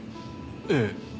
ええ。